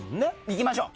いきましょう。